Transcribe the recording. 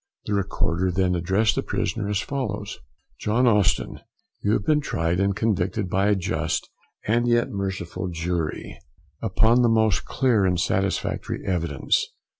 The Recorder then addressed the prisoner as follows: John Austin, you have been tried and convicted by a just and yet merciful jury, upon the most clear and satisfactory evidence.